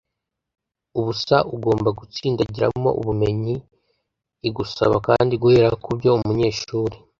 ubusa ugomba gutsindagiramo ubumenyi. Igusaba kandi guhera ku byo umunyeshuri